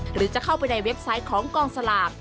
หรือจะเข้าไปในเว็บไซต์ของกองสลาก